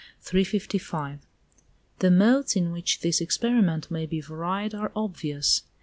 The modes in which this experiment may be varied are obvious.